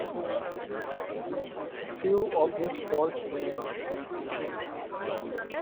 A few obvious faults remain.